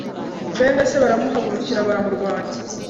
bene se baramuhagurukira baramurwanya